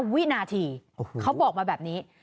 วินาทีเขาบอกมาแบบนี้